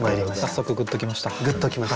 早速グッときました。